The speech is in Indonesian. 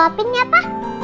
aku suapin ya pa